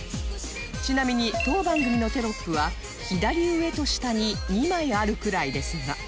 ちなみに当番組のテロップは左上と下に２枚あるくらいですが